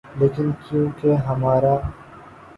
لیکن کیونکہ ہمارا